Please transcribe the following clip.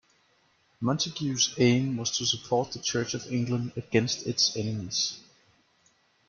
Montagu's aim was to support the Church of England against its enemies.